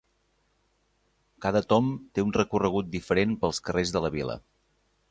Cada tomb té un recorregut diferent pels carrers de la vila.